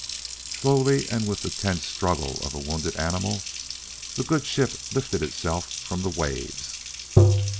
Slowly, and with the tense struggle of a wounded animal, the good ship lifted itself from the waves.